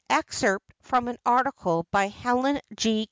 (Excerpt from an article by Helen G.